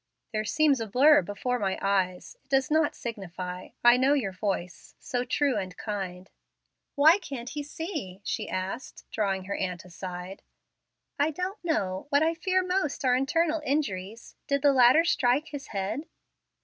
"There seems a blur before my eyes. It does not signify. I know your voice, so true and kind." "Why can't he see?" she asked, drawing her aunt aside. "I don't know. What I fear most are internal injuries. Did the ladder strike his head?"